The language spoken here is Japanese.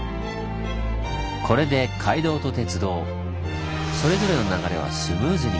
これで街道と鉄道それぞれの流れはスムーズに。